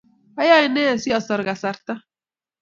Ayae ne si asor kasarta